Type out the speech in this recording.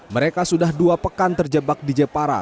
mereka sudah dua pekan terjebak di jepara